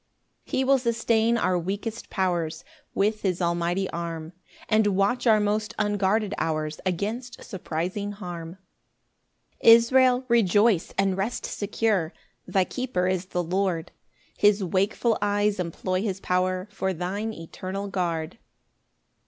3 He will sustain our weakest powers With his almighty arm, And watch our most unguarded hours Against surprising harm. 4 Israel, rejoice and rest secure, Thy keeper is the Lord; His wakeful eyes employ his power For thine eternal guard.